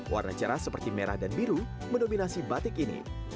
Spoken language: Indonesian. warna cerah seperti merah dan biru mendominasi batik ini